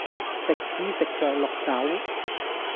食屎食著綠豆